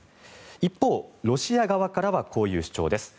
一方、ロシア側からはこういう主張です。